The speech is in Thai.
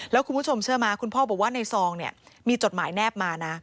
แล้วคุณผู้ชมเชื่อมาคุณพ่อบอกว่าในซองมีจดหมายแนบมา